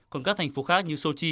còn các thành phố khác như sochi